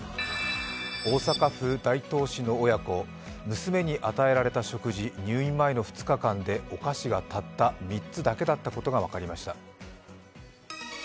大阪府大東市の親子、娘に与えられた食事、入院前の２日間でお菓子がたった３つだけだったことが分かりました。